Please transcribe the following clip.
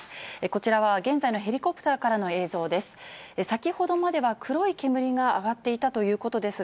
こちらは現在のヘリコプターからの映像です。